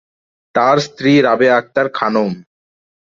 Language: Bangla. তার স্ত্রী রাবেয়া আক্তার খানম।